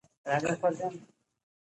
د نمونې لپاره د تړون درې مادې را اخلو.